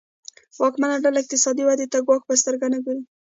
واکمنه ډله اقتصادي ودې ته ګواښ په سترګه نه ګوري.